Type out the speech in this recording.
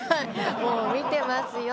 もう見てますよ。